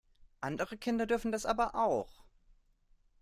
Andere Kinder dürfen das aber auch!